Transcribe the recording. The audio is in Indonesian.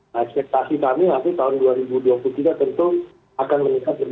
nah ekspektasi kami nanti tahun dua ribu dua puluh tiga tentu akan meningkat